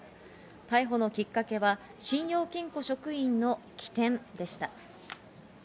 逮捕のきっかけは信用金庫職員の機転でした。